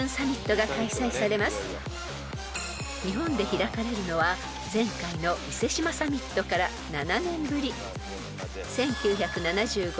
［日本で開かれるのは前回の伊勢志摩サミットから７年ぶり］